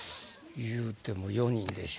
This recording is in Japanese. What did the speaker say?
いうても４人でしょ？